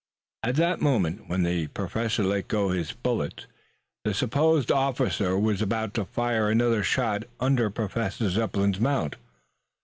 At the moment when the Professor let go his bullets the supposed officer was about to fire another shot under Professor Zepplin's mount.